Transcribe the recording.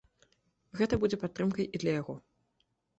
Гэта будзе падтрымкай і для яго.